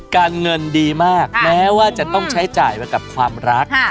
การเงินดีมากแม้ว่าจะต้องใช้จ่ายมากับความรัก